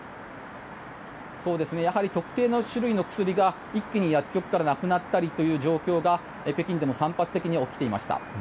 やはり特定の種類の薬が一気に薬局からなくなったりという状況が北京でも散発的に起きていました。